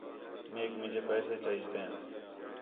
میک مینے پیسے چاہیجدین